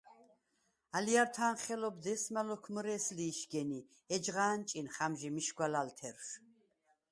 ალჲართა̄ნ ხელობ დე̄სამა ლოქ მჷრე̄ს ლი იშგენ ი ეჯღა ანჭინხ ამჟი მიშგვა ლალთერშვ.